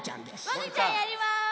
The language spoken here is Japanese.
もぐちゃんやります！